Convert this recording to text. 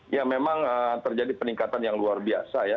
ya memang terjadi peningkatan yang luar biasa ya